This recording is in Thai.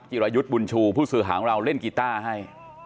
รายุทธ์บุญชูผู้สื่อหาของเราเล่นกีต้าให้